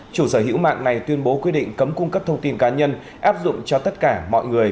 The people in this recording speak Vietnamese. chủ sở hữu mạng này tuyên bố quyết định cấm cung cấp thông tin cá nhân áp dụng cho tất cả mọi người